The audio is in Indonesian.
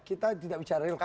kalau kita bicara kebanyakan